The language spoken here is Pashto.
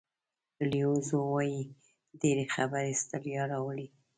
لیو زو وایي ډېرې خبرې ستړیا راوړي.